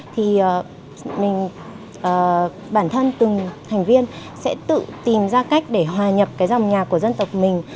thì mình bản thân từng thành viên sẽ tự tìm ra cách để hòa nhập cái dòng nhạc của dân tộc mình